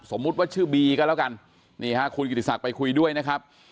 สมมุติว่าชื่อบีก็แล้วกันนี่ฮะคุณกิติศักดิ์ไปคุยด้วยนะครับ